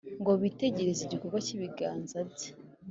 ngo bitegereze igikorwa cy’ibiganza bye.